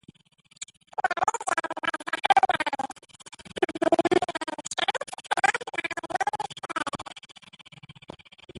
The region was the homeland of the Nanman tribes, led by Meng Huo.